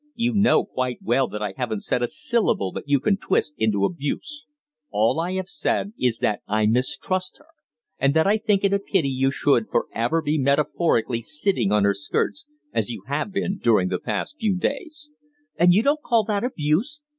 You know quite well that I haven't said a syllable that you can twist into abuse. All I have said is that I mistrust her, and that I think it a pity you should for ever be metaphorically sitting on her skirts, as you have been during the past few days." "And you don't call that abuse?"